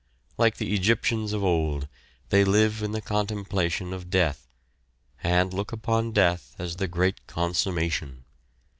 Like the Egyptians of old, they live in the contemplation of death, and look upon death as the great consummation.